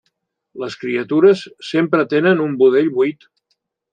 Les criatures sempre tenen un budell buit.